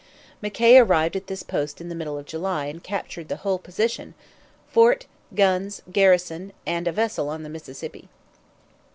McKay arrived at this post in the middle of July and captured the whole position fort, guns, garrison, and a vessel on the Mississippi.